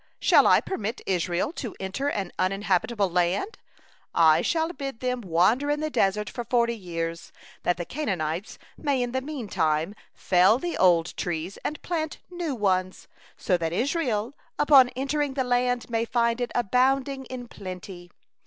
Shall I permit Israel to enter an uninhabitable land? I shall bid them wander in the desert for forty years, that the Canaanites may in the meantime fell the old trees and plant new ones, so that Israel, upon entering the land, may find it abounding in plenty."